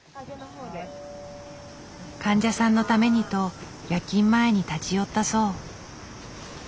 患者さんのためにと夜勤前に立ち寄ったそう。